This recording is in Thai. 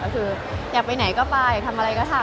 ก็คืออยากไปไหนก็ไปอยากทำอะไรก็ทำ